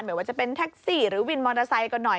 ไม่ว่าจะเป็นแท็กซี่หรือวินมอเตอร์ไซค์ก็หน่อย